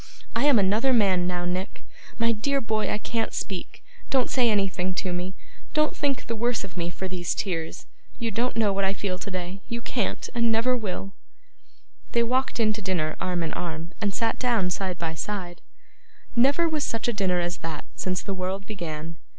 I am another man now, Nick. My dear boy, I can't speak. Don't say anything to me. Don't think the worse of me for these tears. You don't know what I feel today; you can't, and never will!' They walked in to dinner arm in arm, and sat down side by side. Never was such a dinner as that, since the world began.